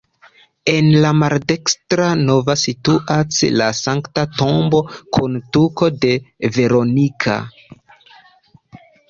En la maldekstra navo situas la Sankta Tombo kun tuko de Veronika.